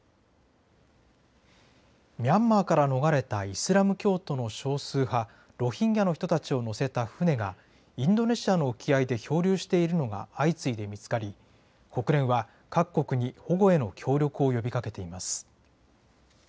ミャンマーから逃れたイスラム教徒の少数派、ロヒンギャの人たちを乗せた船が、インドネシアの沖合で漂流しているのが相次いで見つかり、国連は、各国に保護への協力を呼びかけています。